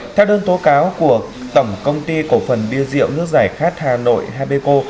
theo đơn tố cáo của tổng công ty cổ phần bia rượu nước giải khát hà nội hapeco